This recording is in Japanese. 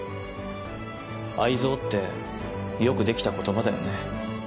愛憎ってよくできた言葉だよね。